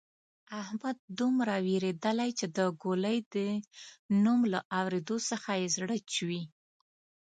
احمد دومره وېرېدلۍ چې د ګولۍ د نوم له اورېدو څخه یې زړه چوي.